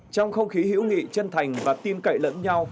trong không khí hữu nghị chân thành và tin cậy lẫn nhau